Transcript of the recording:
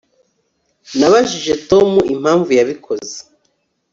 Nabajije Tom impamvu yabikoze